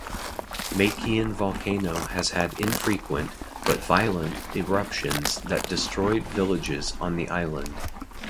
Makian volcano has had infrequent, but violent eruptions that destroyed villages on the island.